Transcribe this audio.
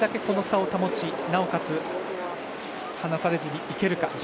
この差を保ちなおかつ離されずに行けるか。